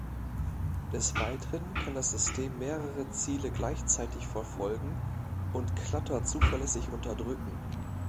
Des Weiteren kann das System mehrere Ziele gleichzeitig verfolgen und Clutter zuverlässig unterdrücken.